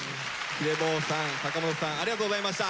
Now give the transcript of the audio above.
ＨｉｄｅｂｏＨさん坂本さんありがとうございました。